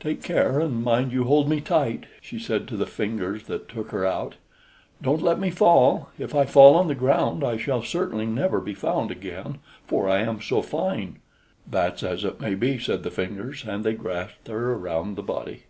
"Take care, and mind you hold me tight!" she said to the Fingers that took her out. "Don't let me fall! If I fall on the ground I shall certainly never be found again, for I am so fine!" "That's as it may be," said the Fingers; and they grasped her round the body.